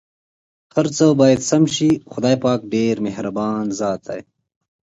هرڅه به سم شې٬ خدای پاک ډېر مهربان ذات دی.